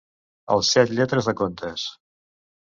El set lletres de contes.